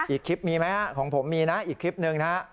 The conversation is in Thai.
อีกคลิปมีไหมของผมมีนะอีกคลิปหนึ่งนะฮะ